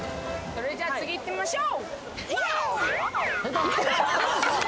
それじゃあ次いってみましょう！